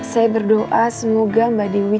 saya berdoa semoga mbak dewi